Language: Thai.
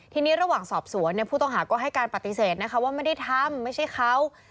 ทีนี้ระหว่างสอบสวนผู้ต้องหาก็ให้การปฏิเสธนะคะว่าไม่ได้ทำไม่ใช่เขา